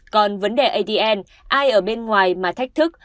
còn vấn đề adn ai ở bên ngoài mà thách thức